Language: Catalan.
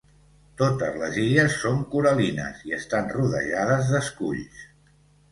Totes les illes són coral·lines i estan rodejades d'esculls.